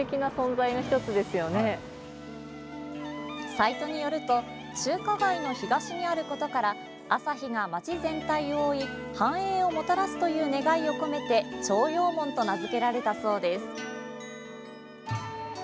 サイトによると中華街の東にあることから朝日が街全体を覆い繁栄をもたらすという願いを込めて朝陽門と名づけられたそうです。